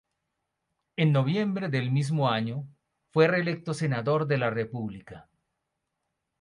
En noviembre del mismo año, fue reelecto Senador de la República.